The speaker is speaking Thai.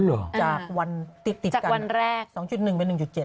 อ๋อเหรอจากวันติดกันสองจุดหนึ่งไปหนึ่งจุดเจ็ดอ๋อ